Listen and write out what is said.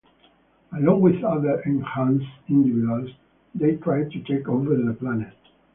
Along with other enhanced individuals, they tried to take over the planet.